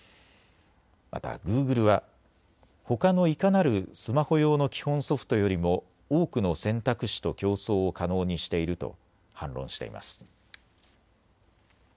またグーグルはほかのいかなるスマホ用の基本ソフトよりも多くの選択肢と競争を可能にしていると反論しています。